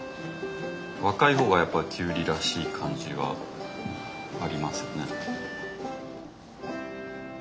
若いほうがやっぱキュウリらしい感じはありますよね。